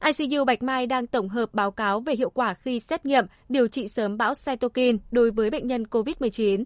icu bạch mai đang tổng hợp báo cáo về hiệu quả khi xét nghiệm điều trị sớm bão centokin đối với bệnh nhân covid một mươi chín